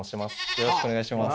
よろしくお願いします。